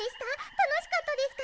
たのしかったですか？